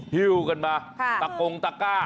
ฮิ้วกันมาตะกงตะก้า